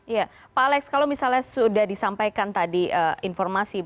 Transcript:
ya pak alex kalau misalnya sudah disampaikan tadi informasi